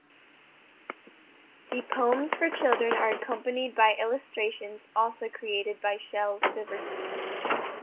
The poems for children are accompanied by illustrations also created by Shel Silverstein.